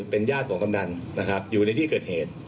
เป็นญาติของกำนันนะครับอยู่ในที่เกิดเหตุ